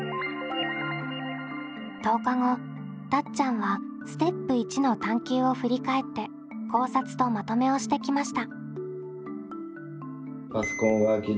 １０日後たっちゃんはステップ①の探究を振り返って考察とまとめをしてきました。